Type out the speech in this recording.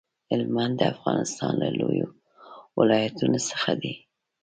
هلمند د افغانستان له لويو ولايتونو څخه دی.